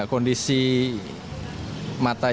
kondisi mata yang